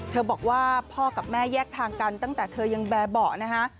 บอกว่าพ่อกับแม่แยกทางกันตั้งแต่เธอยังแบบเบาะนะคะ